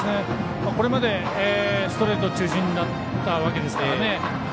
これまでストレート中心だったわけですからね。